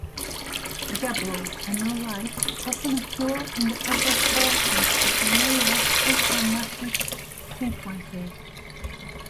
Gabbro and norite often occur in the upper portions of the layered ultramafic sequences.